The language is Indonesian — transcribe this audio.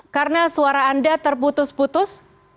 karena suara anda terputus putus